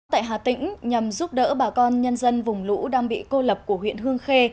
tại hà tĩnh nhằm giúp đỡ bà con nhân dân vùng lũ đang bị cô lập của huyện hương khê